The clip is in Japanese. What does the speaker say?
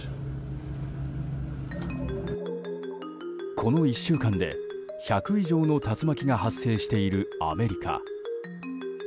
この１週間で１００以上の竜巻が発生しているアメリカ。